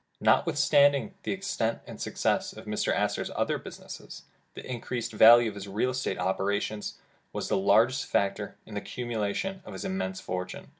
Notwithstanding the extent and success of Mr. Astor 'a other business, the increased value of his real estate operations, was the largest factor in the accumlation of his immense fortune.